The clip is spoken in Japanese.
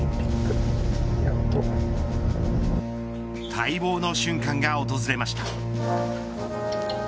待望の瞬間が訪れました。